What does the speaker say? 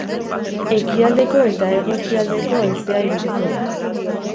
Ekialdeko eta hego-ekialdeko haizea ibiliko da.